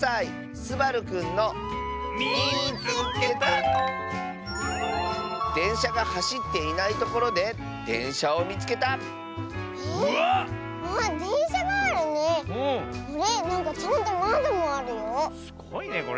すごいねこれ。